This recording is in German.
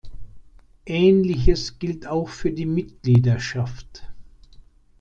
Ähnliches gilt auch für die Mitgliederschaft.